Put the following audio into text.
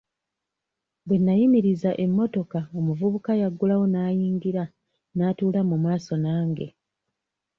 Bwe nnayimiriza emmotoka omuvubuka yaggulawo n'ayingira n'atuula mu maaso nange.